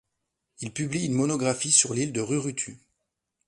Il publie une monographie sur l'île de Rurutu.